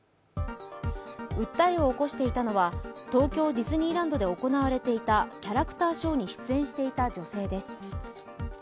訴えを起こしていたのは、東京ディズニーランドで行われていたキャラクターショーに出演していた女性です。